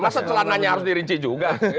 masa celananya harus dirinci juga